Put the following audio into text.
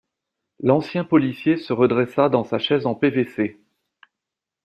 L’ancien policier se redressa dans sa chaise en PVC.